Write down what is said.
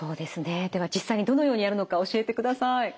では実際にどのようにやるのか教えてください。